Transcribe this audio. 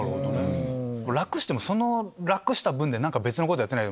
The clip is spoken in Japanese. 楽してもその楽した分で何か別のことやってない。